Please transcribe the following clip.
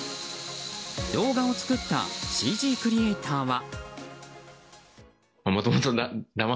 動画を作ったＣＧクリエーターは。